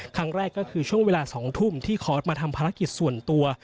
ครั้งแรกก็คือช่วงเวลา๒ทุ่มที่คอร์สมาทำภารกิจส่วนตัว